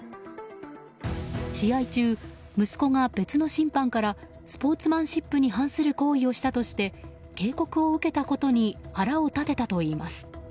試合中、息子が別の審判からスポーツマンシップに反する行為をしたとして警告を受けたことに腹を立てたといいます。